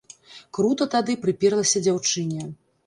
Крута тады прыперлася дзяўчыне.